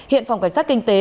hiện phòng cảnh sát kinh tế